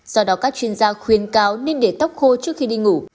do đó các chuyên gia khuyên cáo nên để tóc khô trước khi đi ngủ